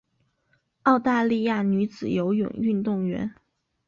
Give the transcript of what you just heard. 澳大利亚女子游泳运动员。